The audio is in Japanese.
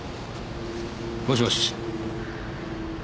もしもし。